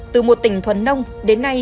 từ một tỉnh thuần nông đến nay